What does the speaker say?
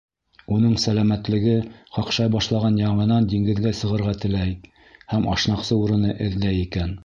Уның сәләмәтлеге ҡаҡшай башлаған, яңынан диңгеҙгә сығырға теләй һәм ашнаҡсы урыны эҙләй икән.